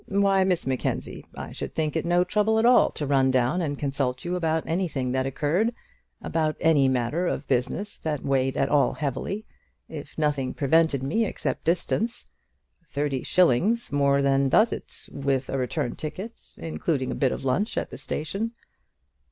Why, Miss Mackenzie, I should think it no trouble at all to run down and consult you about anything that occurred, about any matter of business that weighed at all heavily, if nothing prevented me except distance. Thirty shillings more than does it all, with a return ticket, including a bit of lunch at the station."